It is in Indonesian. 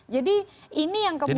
jadi ini yang kemudian